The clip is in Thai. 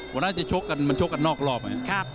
วันนั้นจะชกกันมันชกกันนอกรอบ